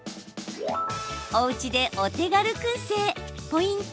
おうちでお手軽くん製ポイント